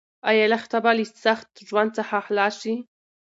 ایا لښته به له سخت ژوند څخه خلاص شي؟